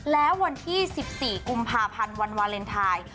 แล้ววันที่๑๔กุมภาพันธ์วันวาเลนไทย